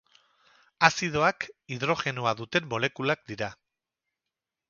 Azidoak hidrogenoa duten molekulak dira.